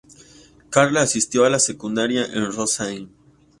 Karl asistió a la secundaria en Rosenheim.